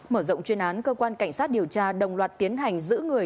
mở rộng chuyên án cơ quan cảnh sát điều tra đồng loạt tiến hành giữ người